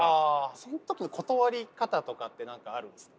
その時の断り方とかって何かあるんですか？